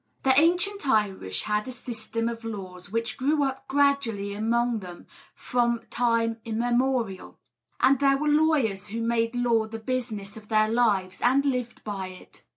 The ancient Irish had a system of laws which grew up gradually among them from time immemorial. And there were lawyers who made law the business of their lives, and lived by it.